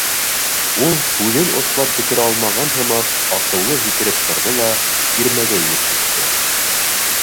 — Ул һүҙен ослап бөтөрә алмаған һымаҡ, асыулы һикереп торҙо ла тирмәгә инеп китте.